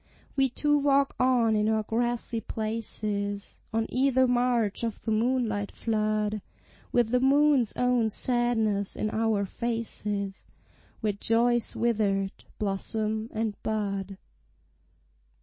We two walk on in our grassy places, On either marge of the moonlit flood, With the moon's own sadness in our faces, Where joy is withered, blossom and bud.